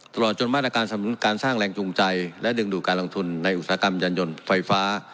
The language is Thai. ตลอดจนมาตรการสำนุนการสร้างแรงจูงใจและดึงดูดการลงทุนในอุตสาหกรรมยานยนต์ไฟฟ้า